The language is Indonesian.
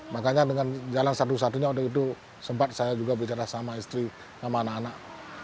makanya dengan jalan satu satunya waktu itu sempat saya juga bicara sama istri sama anak anak